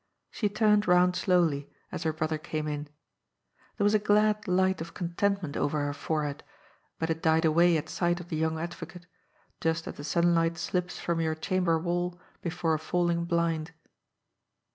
She turned round slowly, as her brother came in. There was a glad light of contentment over her forehead, but it died away at sight of the young advocate, just as the sunlight slips from your chamber wall before a falling blind.